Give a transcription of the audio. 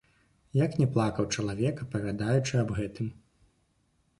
Як не плакаў чалавек, апавядаючы аб гэтым!